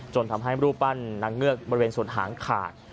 ทำให้รูปปั้นนางเงือกบริเวณส่วนหางขาด